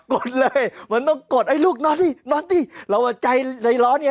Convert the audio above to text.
กดเลยมันต้องกดไอ้ลูกนอนสินอนสิเราใจใจร้อนไง